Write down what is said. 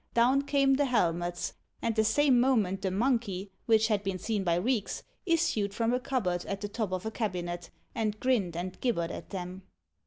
Down came the helmets, and the same moment the monkey, which had been seen by Reeks, issued from a cupboard at the top of a cabinet, and grinned and gibbered at them.